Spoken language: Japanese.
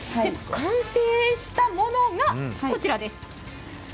完成したものが、こちらです。